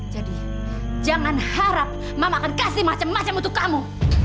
jadi jangan harap mama akan kasih macam macam untuk kamu